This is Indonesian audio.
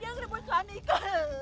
dia ngerebut suamiku